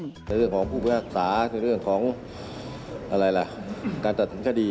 ในเรื่องของผู้พุทธศาสตร์ในเรื่องของการตัดสินคดี